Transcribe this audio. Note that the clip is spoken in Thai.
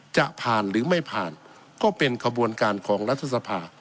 จะผ่านหรือไม่ผ่านก็เป็นขบวนการของรัฐสภา